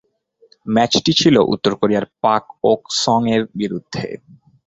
ম্যাচটি ছিল উত্তর কোরিয়ার পাক ওক-সং-এর বিরুদ্ধে।